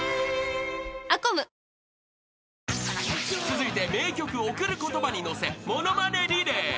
［続いて名曲『贈る言葉』に乗せ物まねリレー］